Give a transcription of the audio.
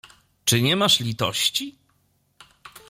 Czy nie masz litości?